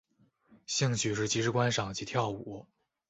兴趣是即时观赏及跳舞。